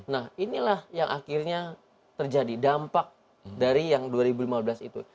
nah inilah yang akhirnya terjadi dampak dari yang dua ribu lima belas itu